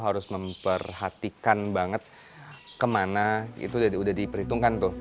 harus memperhatikan banget kemana itu udah diperhitungkan tuh